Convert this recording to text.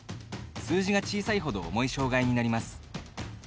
数字が小さいほど重い障がいになります。